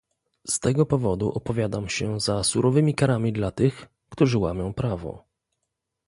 Z tego powodu opowiadam się za surowymi karami dla tych, którzy łamią prawo